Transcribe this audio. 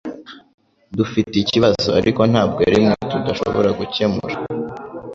Dufite ikibazo ariko ntabwo arimwe tudashobora gukemura